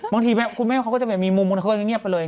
บางทีแบบคุณแม่เขาก็จะเป็นมมุมเขาก็เงียบกันเลย